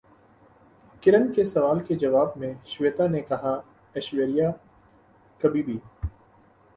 کرن کے سوال کے جواب میں شویتا نے کہا ایشوریا کبھی بھی